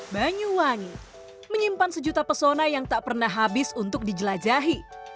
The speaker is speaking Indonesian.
banyuwangi menyimpan sejuta pesona yang tak pernah habis untuk dijelajahi